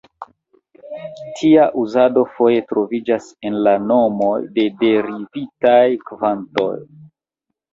Tia uzado foje troviĝas en la nomoj de derivitaj kvantoj.